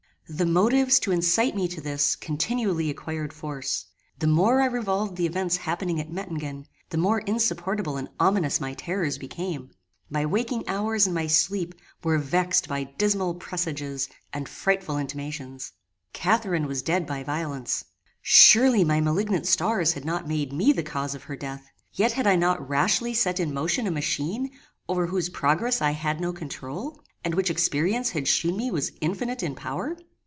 The motives to incite me to this continually acquired force. The more I revolved the events happening at Mettingen, the more insupportable and ominous my terrors became. My waking hours and my sleep were vexed by dismal presages and frightful intimations. "Catharine was dead by violence. Surely my malignant stars had not made me the cause of her death; yet had I not rashly set in motion a machine, over whose progress I had no controul, and which experience had shewn me was infinite in power?